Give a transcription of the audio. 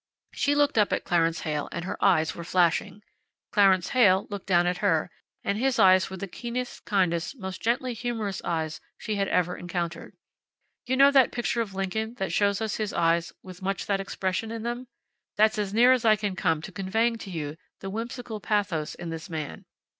She looked up at Clarence Heyl, and her eyes were flashing. Clarence Heyl looked down at her, and his eyes were the keenest, kindest, most gently humorous eyes she had ever encountered. You know that picture of Lincoln that shows us his eyes with much that expression in them? That's as near as I can come to conveying to you the whimsical pathos in this man.